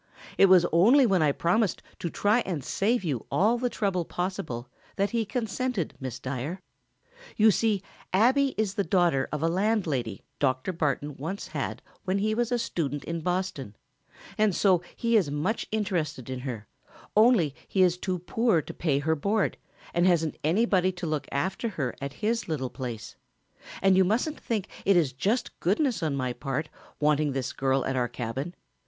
It was only when I promised to try and save you all the trouble possible that he consented, Miss Dyer. You see Abbie is the daughter of a landlady Dr. Barton once had when he was a student in Boston, and so he is much interested in her, only he is too poor to pay her board and hasn't anybody to look after her at his little place; and you mustn't think it is just goodness on my part, wanting this girl at our cabin.